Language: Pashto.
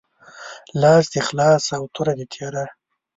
لاس دي خلاص او توره دي تیره